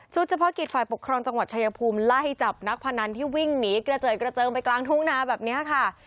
เฉพาะกิจฝ่ายปกครองจังหวัดชายภูมิไล่จับนักพนันที่วิ่งหนีกระเจิดกระเจิงไปกลางทุ่งนาแบบนี้ค่ะ